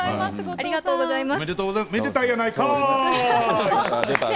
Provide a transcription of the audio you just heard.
ありがとうございます。